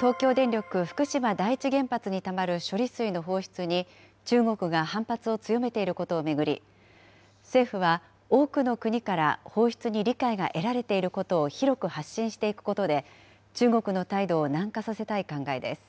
東京電力福島第一原発にたまる処理水の放出に、中国が反発を強めていることを巡り、政府は多くの国から放出に理解が得られていることを広く発信していくことで、中国の態度を軟化させたい考えです。